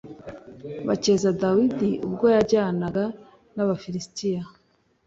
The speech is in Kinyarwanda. bakeza dawidi ubwo yajyanaga n’abafilisitiya